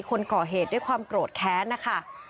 คนก่อเหตุด้วยความโกรธแค้นนะคะ